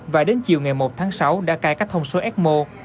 và đến chiều ngày một tháng sáu đã cai các thông số ecmo